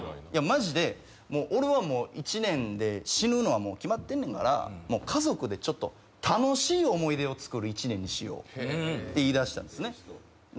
「いやマジでもう俺は１年で死ぬのはもう決まってんねんから家族で楽しい思い出をつくる１年にしよう」って言いだしたんですね。